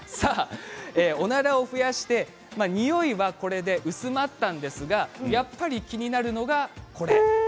おならを増やしてにおいはこれで薄まったんですがやっぱり気になるのがこちら。